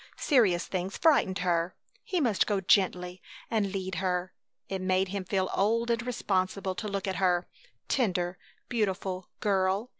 Serious things frightened her! He must go gently and lead her! It made him feel old and responsible to look at her tender, beautiful girl!